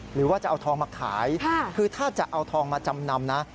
หรือว่าจะเอาทองมาขายคือถ้าจะเอาทองมาจำนำนะ